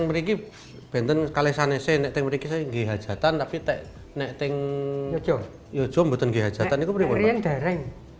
berita bahas kesehatan dengan sebatin